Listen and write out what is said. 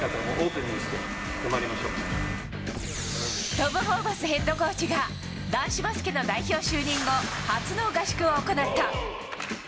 トム・ホーバスヘッドコーチが男子バスケの代表就任後初の合宿を行った。